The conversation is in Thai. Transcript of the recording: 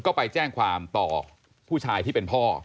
ก็ไปแจ้งความต่อผู้ชายที่เป็นพ่อ